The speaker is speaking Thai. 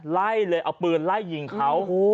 ไล่เลยเอาปืนไล่ยิงเขา